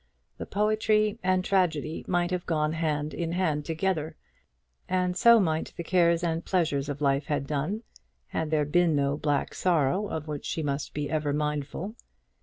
The poetry and tragedy might have gone hand in hand together; and so might the cares and pleasures of life have done, had there been no black sorrow of which she must be ever mindful.